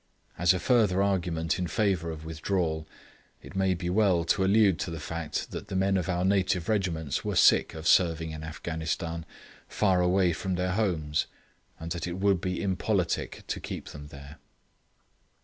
As a further argument in favour of withdrawal, it may be well to allude to the fact that the men of our native regiments were sick of serving in Afghanistan, far away from their homes, and that it would be impolitic to keep them there.